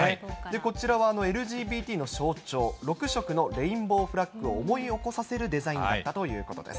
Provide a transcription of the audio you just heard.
こちらはＬＧＢＴの象徴、６色のレインボーフラッグを思い起こさせるデザインだったということです。